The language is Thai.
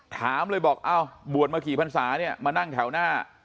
ถามเลยบอกเอ้าบวชมากี่พันศาเนี่ยมานั่งแถวหน้า